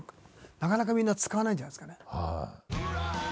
なかなかみんな使わないんじゃないですかね。